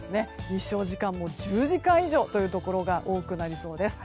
日照時間も１０時間以上というところが多くなりそうです。